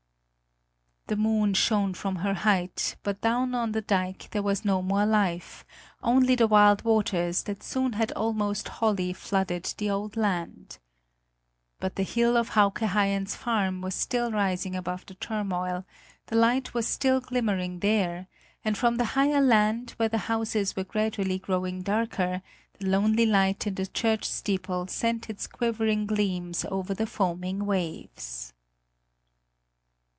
The moon shone from her height, but down on the dike there was no more life, only the wild waters that soon had almost wholly flooded the old land. But the hill of Hauke Haien's farm was still rising above the turmoil, the light was still glimmering there and from the higher land, where the houses were gradually growing darker, the lonely light in the church steeple sent its quivering gleams over the foaming waves.